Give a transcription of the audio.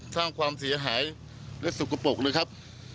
สร้างความเสียหายและสุขปรกเลยครับ